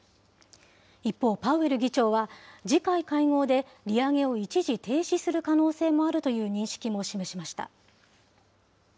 一方、パウエル議長は、次回会合で利上げを一時停止する可能性もあるという認識も示しました。